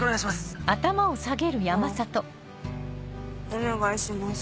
あお願いします。